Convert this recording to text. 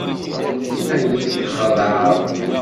Ad yi-txedεeḍ.